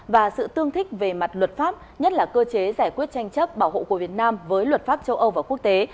và sự tương thích về mặt luật pháp nhất là cơ chế giải quyết tranh chấp bảo hộ của việt nam với luật pháp châu âu và quốc tế